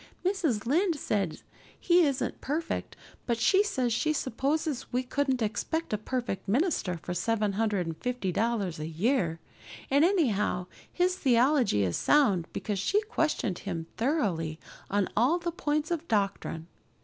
Mrs. Lynde says he isn't perfect, but she says she supposes we couldn't expect a perfect minister for seven hundred and fifty dollars a year, and anyhow his theology is sound because she questioned him thoroughly on all the points of doctrine.